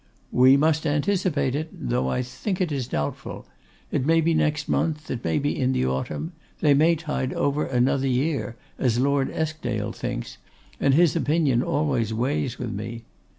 'We must anticipate it; though I think it doubtful. It may be next month; it may be in the autumn; they may tide over another year, as Lord Eskdale thinks, and his opinion always weighs with me.